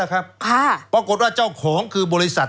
ปรากฏว่าเจ้าของคือบริษัท